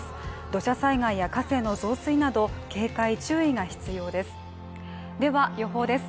土砂災害や河川の増水など警戒・注意が必要です。